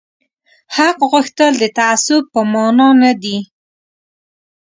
حق غوښتل د تعصب په مانا نه دي